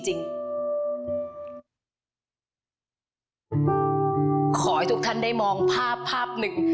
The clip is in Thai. ขอให้ทุกท่านได้มองภาพภาพหนึ่ง